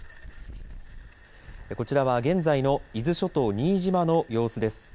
こちらは現在の伊豆諸島新島の様子です。